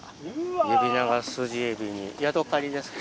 ユビナガスジエビにヤドカリですか。